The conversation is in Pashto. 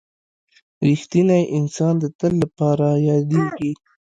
• رښتینی انسان د تل لپاره یادېږي.